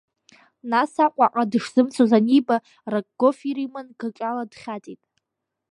Нас Аҟәаҟа дышзымцоз аниба, Рокгоф ир иман гаҿала дхьаҵит.